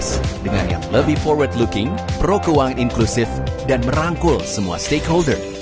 dengan yang lebih forward looking pro keuangan inklusif dan merangkul semua stakeholder